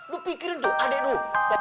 lu pikirin tuh adek lu